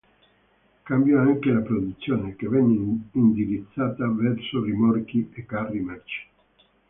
Cambiò anche la produzione, che venne indirizzata verso rimorchi e carri merci.